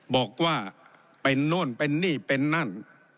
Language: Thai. บอกว่าเป็นโน่นเป็นนี่เป็นนั่น